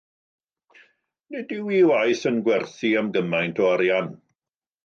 Nid yw ei waith yn gwerthu am gymaint o arian.